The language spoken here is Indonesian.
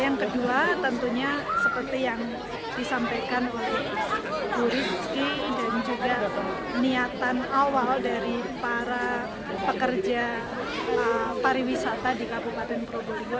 yang kedua tentunya seperti yang disampaikan oleh bu rizky dan juga niatan awal dari para pekerja pariwisata di kabupaten probolinggo